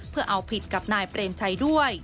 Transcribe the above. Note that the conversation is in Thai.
เพื่อเอาผิดกับนายเปรมชัยด้วย